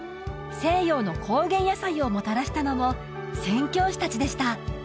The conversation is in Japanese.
西洋の高原野菜をもたらしたのも宣教師達でした